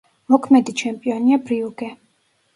მოქმედი ჩემპიონია „ბრიუგე“.